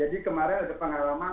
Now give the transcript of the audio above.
jadi kemarin ada pengalaman teman